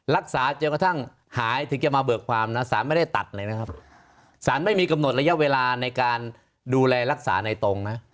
จนกระทั่งหายถึงจะมาเบิกความนะสารไม่ได้ตัดเลยนะครับสารไม่มีกำหนดระยะเวลาในการดูแลรักษาในตรงนะ